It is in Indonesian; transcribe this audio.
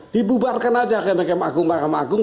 dibubarkan aja ke mahkamah agung